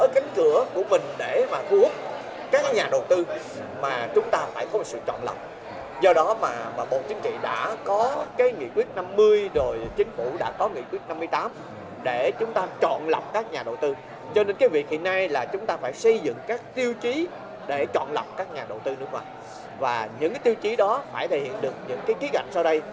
tiêu chí để chọn lọc các nhà đầu tư nước ngoài và những tiêu chí đó phải thể hiện được những ký gạch sau đây